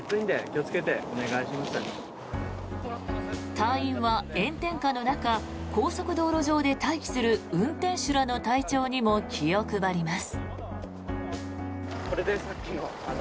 隊員は、炎天下の中高速道路上で待機する運転手らの体調にも気を配ります。